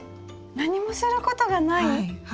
何もすることがない？